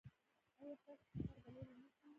ایا ستاسو خطر به لرې نه شي؟